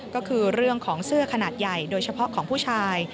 ก็คือเรื่องของเสื้อขนาดใหญ่โดยเฉพาะของผู้ชาย